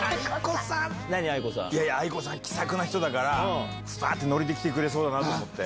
ａｉｋｏさん、気さくな人だから、すぱっと乗りで来てくれそうだなと思って。